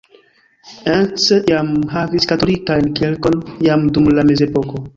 Encs jam havis katolikajn kirkon jam dum la mezepoko.